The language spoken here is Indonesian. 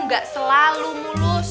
gak selalu mulus